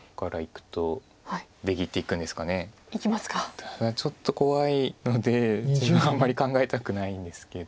ただちょっと怖いのでそれはあんまり考えたくないんですけど。